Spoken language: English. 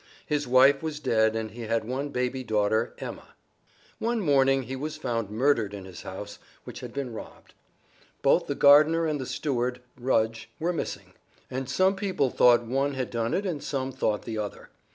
His wife was dead and he had one baby daughter, Emma. One morning he was found murdered in his house, which had been robbed. Both the gardener and the steward, Rudge, were missing, and some people thought one had done it and some thought the other.